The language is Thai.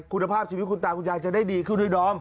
คุณภาพชีวิตคุณตาคุณยายจะได้ดีขึ้นด้วยดอม